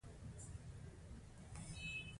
یو ډول یې ساده او بل یې پراخ دی